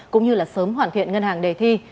cũng như sớm hoàn thiện ngân hàng đề thi